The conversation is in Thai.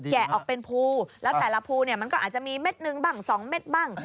ะออกเป็นภูแล้วแต่ละภูเนี่ยมันก็อาจจะมีเม็ดหนึ่งบ้าง๒เม็ดบ้าง